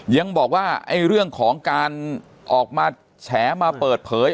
ยังบอกว่าเรื่องของการออกมาแฉมาเปิดเผย